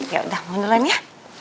ya udah mundurin ya